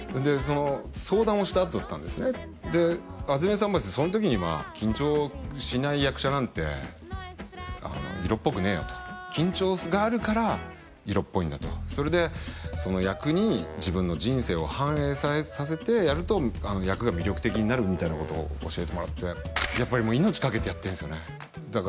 その相談をしたあとだったんですねで橋爪さんその時には緊張しない役者なんて色っぽくねえよと緊張があるから色っぽいんだとそれでその役に自分の人生を反映させてやると役が魅力的になるみたいなことを教えてもらってやっぱりもう命かけてやってるんですよね